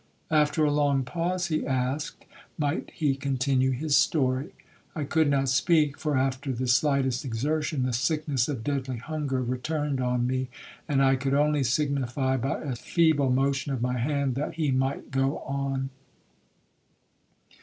After a long pause, he asked, might he continue his story? I could not speak, for, after the slightest exertion, the sickness of deadly hunger returned on me, and I could only signify, by a feeble motion of my hand, that he might go on.